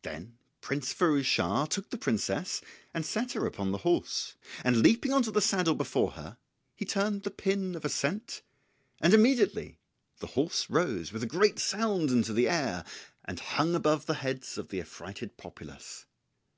Then Prince Firouz Schah took the princess and set her upon the horse, and leaping into the saddle before her he turned the pin of ascent, and immediately the horse rose with a great sound into the air, and hung above the heads of the affrighted populace.